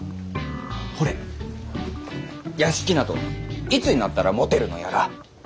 ほれ屋敷などいつになったら持てるのやら。